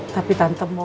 tapi tante mau